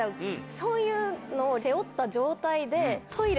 そういうのを背負った状態で。